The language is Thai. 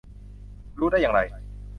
คุณรู้ได้อย่างไร ?